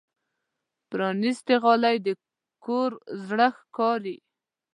پرانستې غالۍ د کور زړه ښکاري.